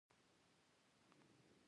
د محبس سپینې هندارې.